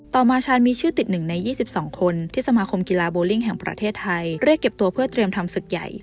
ต่อมาชานมีชื่อติด๑ใน๒๒คนที่สมาคมกีฬาโบลิ่งแห่งประเทศไทยเรียกเก็บตัวเพื่อเตรียมทำศึกใหญ่